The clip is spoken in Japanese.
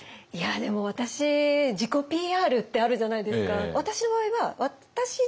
でも私自己ＰＲってあるじゃないですか。